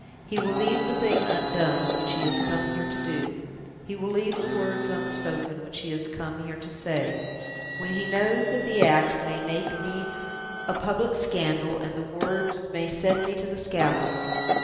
He will leave the thing undone which he has come here to do; he will leave the words unspoken which he has come here to say when he knows that the act may make me a public scandal, and that the words may send me to the scaffold!"